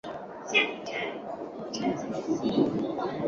白川乡是指岐阜县内的庄川流域。